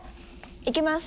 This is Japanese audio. いきます。